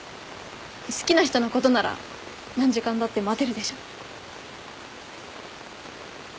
好きな人のことなら何時間だって待てるでしょ？